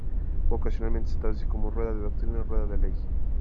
Ocasionalmente se traduce como ‘rueda de doctrina’ o ‘rueda de ley’.